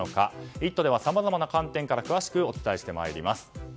「イット！」ではさまざまな観点から詳しくお伝えしてまいります。